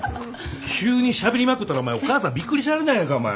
急にしゃべりまくったらお前お母さんビックリしはるやないかお前。